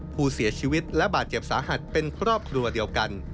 ผู้เสียชีวิตและบาดเจ็บสาหัสเป็นครอบครัวเดียวกัน